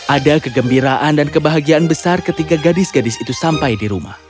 ada kegembiraan dan kebahagiaan besar ketika gadis gadis itu sampai di rumah